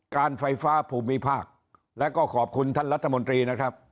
การไฟฟ้าภูมิภาคแล้วก็ขอบคุณท่านรัฐมนตรีนะครับ